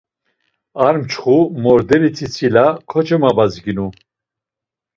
Ar mçxu, morderi tzitzila kocemabazginu.